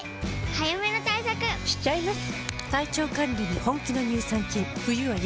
早めの対策しちゃいます。